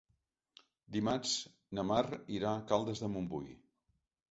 Dimarts na Mar irà a Caldes de Montbui.